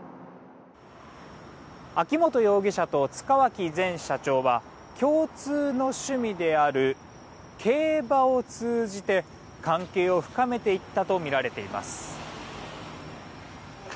秋本容疑者と塚脇前社長は共通の趣味である競馬を通じて関係を深めていったとみられています。